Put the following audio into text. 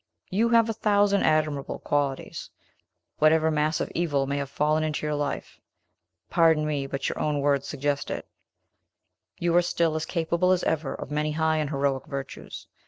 You have a thousand admirable qualities. Whatever mass of evil may have fallen into your life, pardon me, but your own words suggest it, you are still as capable as ever of many high and heroic virtues.